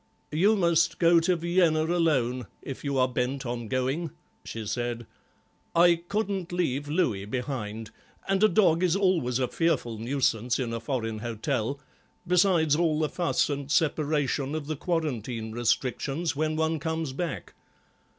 "You must go to Vienna alone if you are bent on going," she said; "I couldn't leave Louis behind, and a dog is always a fearful nuisance in a foreign hotel, besides all the fuss and separation of the quarantine restrictions when one comes back.